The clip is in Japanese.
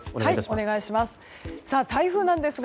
お願いします。